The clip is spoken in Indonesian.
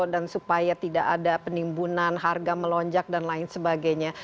supaya tidak ada penimbunan harga melonjak dan lain sebagainya